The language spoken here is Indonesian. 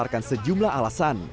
mengetarkan sejumlah alasan